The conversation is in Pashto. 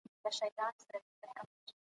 تاسو د خپلو پانګوالو درناوی وکړئ.